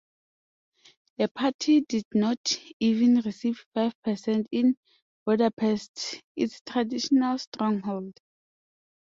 The party did not even receive five percent in Budapest, its traditional stronghold.